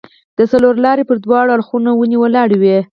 د څلورلارې پر دواړو اړخو ونې ولاړې وې.